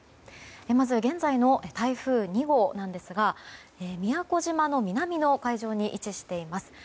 まず、現在の台風２号ですが宮古島の南の海上に位置しています。